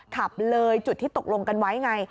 ขับเลยจุดที่ตกลงกันไว้ไง